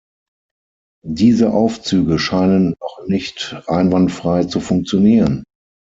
Diese Aufzüge scheinen noch nicht einwandfrei zu funktionieren.